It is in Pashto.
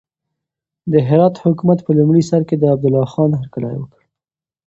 د هرات حکومت په لومړي سر کې د عبدالله خان هرکلی وکړ.